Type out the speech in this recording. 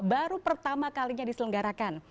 baru pertama kalinya diselenggarakan